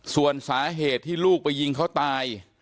ส่วนสาเหตุที่ลูกไปยิงเขาตาย